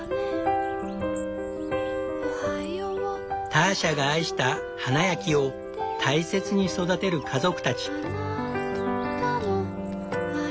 ターシャが愛した花や木を大切に育てる家族たち。